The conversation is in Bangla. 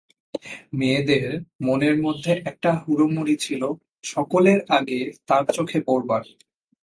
মেয়েদের মনের মধ্যে একটা হুড়োমুড়ি ছিল সকলের আগে তাঁর চোখে পড়বার।